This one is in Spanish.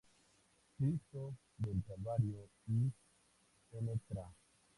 Cristo del Calvario y Ntra.